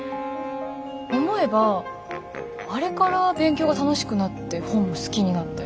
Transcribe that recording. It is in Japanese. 思えばあれから勉強が楽しくなって本も好きになったような。